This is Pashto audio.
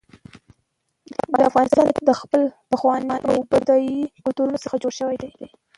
د افغانستان طبیعت له خپل پخواني او بډایه کلتور څخه جوړ شوی دی.